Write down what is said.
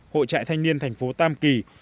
hội trại thanh niên thành phố tam kỳ